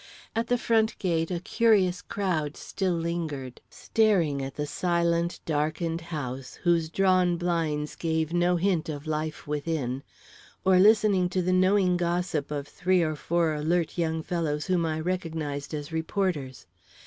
At the front gate a curious crowd still lingered, staring at the silent, darkened house, whose drawn blinds gave no hint of life within, or listening to the knowing gossip of three or four alert young fellows whom I recognised as reporters.